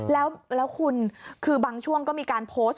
แล้วคุณคือบางช่วงก็มีการโพสต์